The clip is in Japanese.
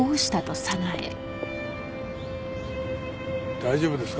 大丈夫ですか？